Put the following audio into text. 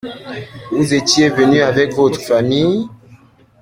Vous étiez venu avec votre famille ?